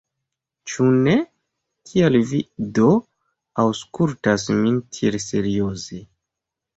Ĉu ne? Kial Vi do aŭskultas min tiel serioze!